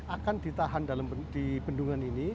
akan ditahan di bendungan ini